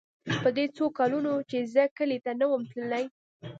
په دې څو کلونو چې زه کلي ته نه وم تللى.